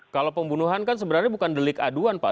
kalau pembunuhan kan sebenarnya bukan delik aduan pak